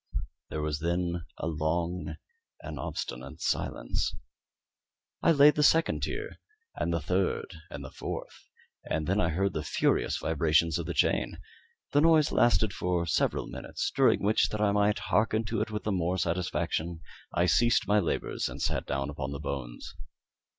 There was then a long and obstinate silence. I laid the second tier, and the third, and the fourth; and then I heard the furious vibrations of the chain. The noise lasted for several minutes, during which, that I might hearken to it with the more satisfaction, I ceased my labours and sat down upon the bones.